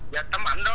dạ tấm ảnh đó